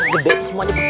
gede semuanya begini